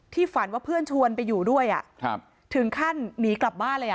ฝันว่าเพื่อนชวนไปอยู่ด้วยถึงขั้นหนีกลับบ้านเลยอ่ะ